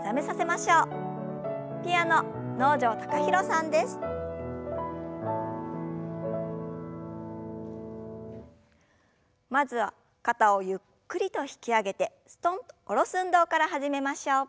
まずは肩をゆっくりと引き上げてすとんと下ろす運動から始めましょう。